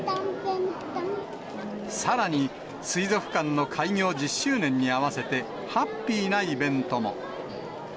さらに、水族館の開業１０周年に合わせて、ハッピーなイベントも。